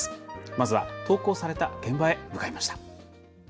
まずは、投稿された現場へ向かいました。